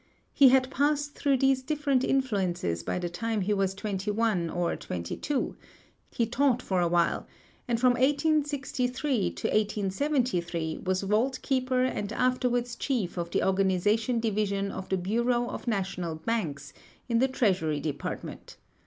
He had passed through these different influences by the time he was twenty one or twenty two; had taught for a while; and from 1863 to 1873 was vault keeper and afterwards chief of the organization division of the Bureau of National Banks, in the Treasury Department.